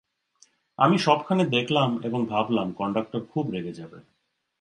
আমি সবখানে দেখলাম, এবং ভাবলাম কন্ডাক্টর খুব রেগে যাবে।